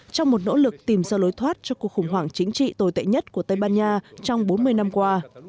trong một nỗ lực tìm ra lối thoát cho cuộc khủng hoảng chính trị tồi tệ nhất của tây ban nha trong bốn mươi năm qua